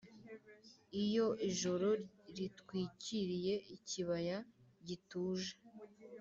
iyo ijoro ritwikiriye ikibaya gituje